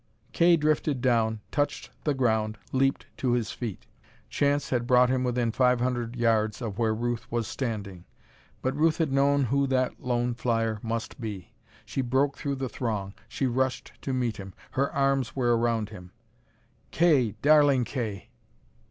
Kay drifted down, touched ground, leaped to his feet. Chance had brought him within five hundred yards of where Ruth was standing. But Ruth had known who that lone flyer must be. She broke through the throng; she rushed to meet him. Her arms were around him. "Kay, darling Kay!"